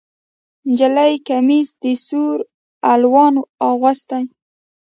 نجلۍ کمیس د سور الوان اغوستی